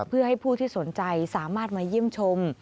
เพื่อให้ผู้ที่สนใจสามารถมาเยี่ยมชม